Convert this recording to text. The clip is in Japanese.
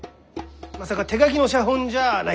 まさか手書きの写本じゃないだろうな？